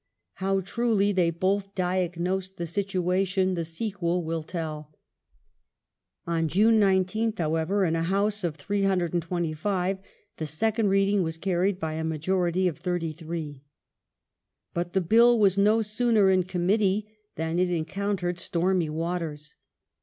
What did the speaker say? How truly they both diagnosed the situation the sequel will tell. On June 19th, however, in a House of 325 the second Reading was carried by a majority of 33. But the Bill was no sooner in Committee than it encountered stormy waters.